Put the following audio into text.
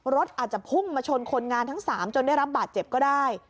รถอาจจะพุ่งมาชนคนงานทั้ง๓จนได้รับบาดเจ็บก็ได้